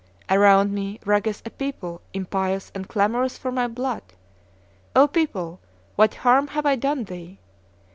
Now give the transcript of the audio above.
Around me rageth a people impious and clamorous for my blood. O people, what harm have I done thee?